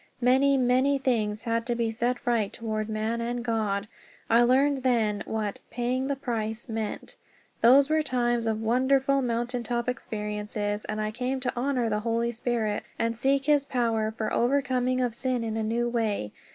Many, many things had to be set right toward man and God. I learned then what "paying the price" meant. Those were times of wonderful mountain top experiences, and I came to honor the Holy Spirit and seek his power for the overcoming of sin in a new way.